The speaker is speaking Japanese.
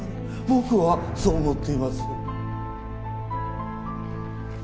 僕はそう思っています。